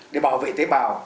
để bảo vệ tế bào